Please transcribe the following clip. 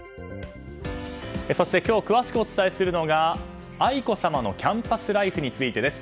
そして今日詳しくお伝えするのが愛子さまのキャンパスライフについてです。